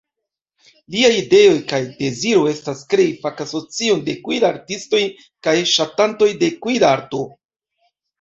Liaj ideo kaj deziro estas krei fakasocion de kuirartistoj kaj ŝatantoj de kuirarto.